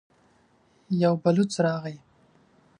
يو بلوڅ راغی.